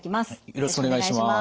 よろしくお願いします。